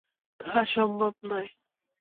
তা সম্ভব নয়।